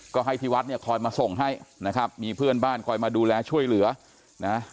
ก็ให้ที่วัดเนี่ยคอยมาส่งให้นะครับมีเพื่อนบ้านคอยมาดูแลช่วยเหลือนะ